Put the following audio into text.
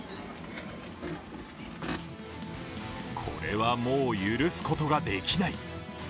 これはもう許すことができない！